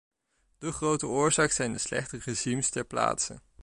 De grote oorzaak zijn de slechte regimes ter plaatse.